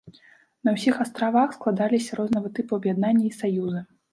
На ўсіх астравах складаліся рознага тыпу аб'яднанні і саюзы.